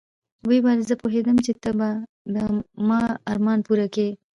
ويې ويل زه پوهېدم چې ته به د ما ارمان پوره کيې.